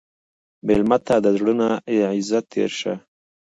مېلمه ته د زړه نه د عزت تېر شه.